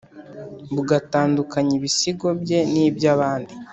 bugatandukanya ibisigo bye n’iby’abandi